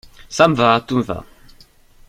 Ca me va ! tout me va !